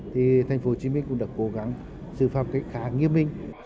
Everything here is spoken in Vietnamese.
thì tp hcm cũng đã cố gắng xử phạt khá nghiêm minh